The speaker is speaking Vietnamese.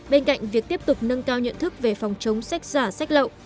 bên cạnh việc tiếp tục nâng cao nhận thức về phòng chống sách giả sách lậu